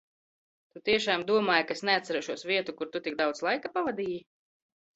Tu tiešām domāji, ka es neatcerēšos vietu, kur tu tik daudz laika pavadīji?